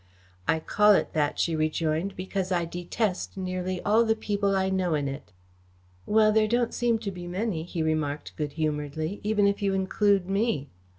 "I call it that," she rejoined, "because I detest nearly all the people I know in it." "Well, there don't seem to be many," he remarked good humouredly, "even if you include me."